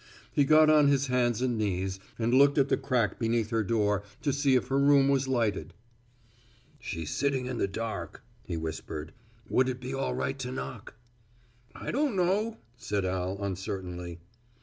He got on his hands and knees and looked at the crack beneath her door to see if her room was lighted. "She's sitting in the dark," he whispered, "Would it be all right to knock!" "I don't know," said Al uncertainly.